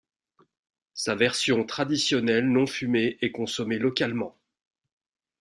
Sa version traditionnelle non fumée est consommée localement.